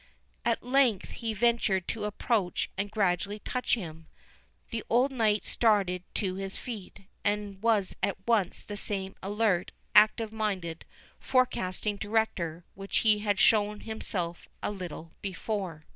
At length, he ventured to approach and gradually touch him. The old knight started to his feet, and was at once the same alert, active minded, forecasting director, which he had shown himself a little before.